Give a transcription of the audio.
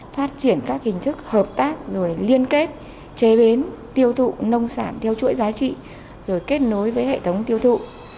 phát triển các hình thức hợp tác liên kết chế bến tiêu thụ nông sản theo chuỗi giá trị kết nối với hệ thống tiêu thụ